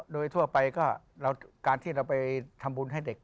โดยทั่วไปก็การที่เราไปทำบุญให้เด็ก